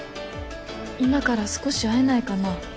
「今から少し会えないかな？」